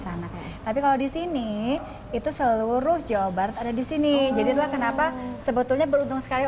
sana tapi kalau di sini itu seluruh jawa barat ada di sini jadilah kenapa sebetulnya beruntung sekali